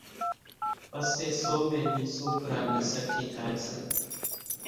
پسيَ سوميَ ۮِي سوڪرا نِي سٺِي ٿائيَ سي۔